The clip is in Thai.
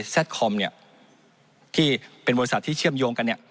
คอมเนี่ยที่เป็นบริษัทที่เชื่อมโยงกันเนี่ย